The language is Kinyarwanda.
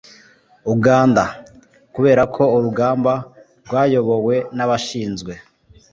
uganda, kubera ko urugamba rwayobowe n'abashinzwe